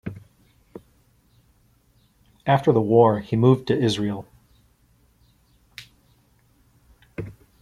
After the war he moved to Israel.